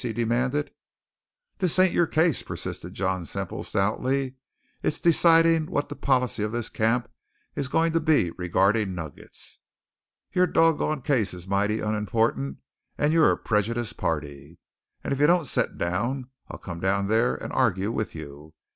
he demanded. "This ain't your case," persisted John Semple stoutly; "it's decidin' what the policy of this camp is goin' to be regardin' nuggets. Your dog gone case is mighty unimportant and you're a prejudiced party. And if you don't set down, I'll come down there and argue with you!